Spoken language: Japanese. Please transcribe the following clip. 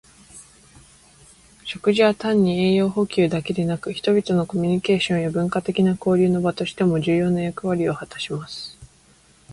食事は単に栄養補給だけでなく、人々のコミュニケーションや文化的な交流の場としても重要な役割を果たします。